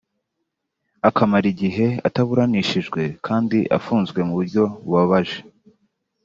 akamara igihe ataburanishijwe kandi afunzwe mu buryo bubabaje